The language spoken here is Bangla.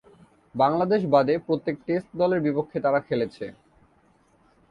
বাংলাদেশ বাদে প্রত্যেক টেস্ট দলের বিপক্ষে তারা খেলেছে।